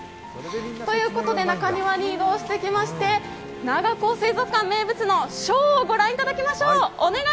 ということで中庭に移動してきまして、長高水族館名物のショーをご覧いただきましょう。